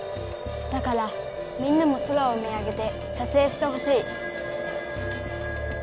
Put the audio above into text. だからみんなも空を見上げてさつえいしてほしい」。